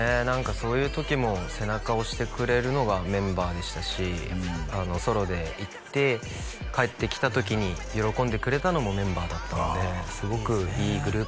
何かそういう時も背中押してくれるのがメンバーでしたしソロでいって帰ってきた時に喜んでくれたのもメンバーだったので